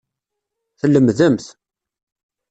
Tlemdemt.